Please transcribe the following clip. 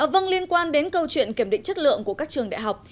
vâng liên quan đến câu chuyện kiểm định chất lượng của các trường đại học